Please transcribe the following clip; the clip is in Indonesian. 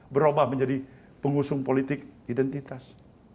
berubah menjadi pengusung politik identitas